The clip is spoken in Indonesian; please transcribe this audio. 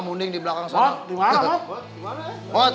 mending di belakang sana